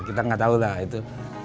kita nggak tahu lah itu